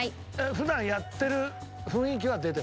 普段やってる雰囲気は出てますよね。